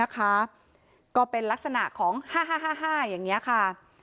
ก็เป็นลักษณะของฮ่ะฮ่ะฮ่าอย่างเงี้ยค่ะ